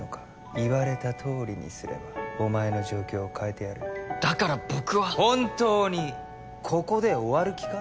言われたとおりにすればお前の状況を変えてやるだから僕は本当にここで終わる気か？